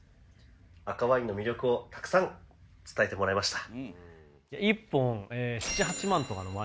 赤ワインの魅力をたくさん伝えてもらいました。